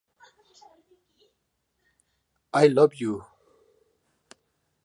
She was the first African-American model to represent the brand.